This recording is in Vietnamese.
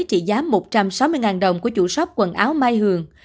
trị giá một trăm sáu mươi đồng của chủ shop quần áo mai hường